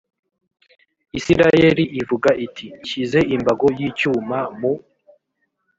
isirayeli ivuga iti nshyize imbago y icyuma mu